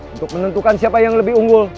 untuk menentukan siapa yang lebih unggul